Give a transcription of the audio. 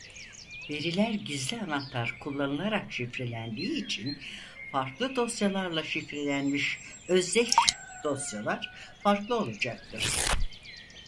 Veriler gizli anahtar kullanılarak şifrelendiği için farklı dosyalarla şifrelenmiş özdeş dosyalar farklı olacaktır.